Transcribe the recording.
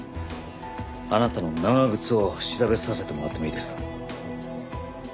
あなたの長靴を調べさせてもらってもいいですか？